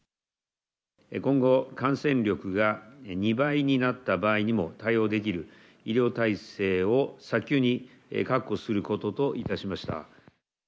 今後、感染力が２倍になった場合にも対応できる医療体制を早急に確保することといたしました。